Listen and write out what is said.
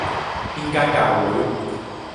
邊間教會?